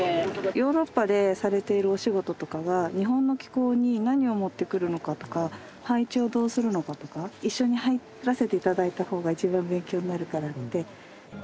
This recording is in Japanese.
ヨーロッパでされているお仕事とかが日本の気候に何を持ってくるのかとか配置をどうするのかとか一緒に入らせて頂いた方が一番勉強になるからって。